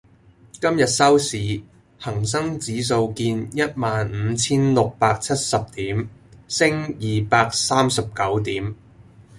今日收市，恒生指數見一萬五千六百七十點，升二百三十九點